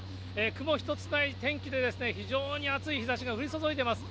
雲一つない天気で、非常に暑い日ざしが降り注いでいます。